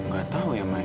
gak tahu ya mai